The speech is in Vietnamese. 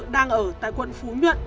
đang ở tại quận phú nhuận